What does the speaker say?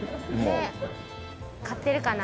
買ってるかな？